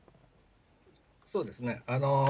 そうですね。